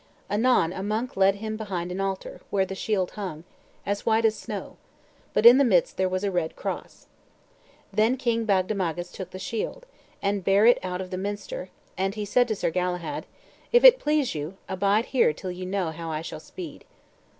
Anon a monk led him behind an altar, where the shield hung, as white as snow; but in the midst there was a red cross. Then King Bagdemagus took the shield, and bare it out of the minster; and he said to Sir Galahad, "If it please you, abide here till ye know how I shall speed."